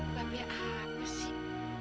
babe apa sih